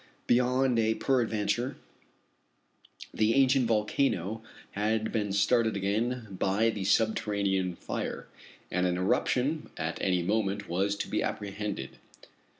Beyond a peradventure the ancient volcano had been started again by the subterranean fire, and an eruption at any moment was to be apprehended.